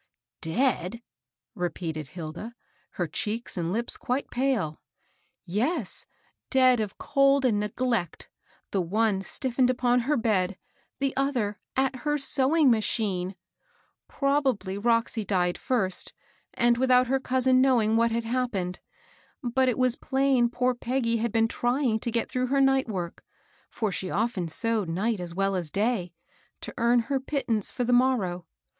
^^ Dead I " repeated Hilda, her cheeks and lips quite pale. "Yes, dead of cold and neglect, — the one stif fened upon her bed, the other at her sewing mar chine 1 Probably Roxy died first, and without her cousin knowing what had happened ; but it was plain poor Peggy had been trying to get through her night work, — for she often sewed night as well as day, — to earn her pittance for the morrow.